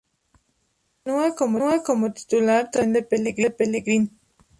Continua como titular, tras la lesión de Pelegrín.